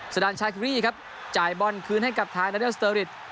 สดันชาคิรีครับจ่ายบอลคืนให้กับทางดาเนียลสเตอริส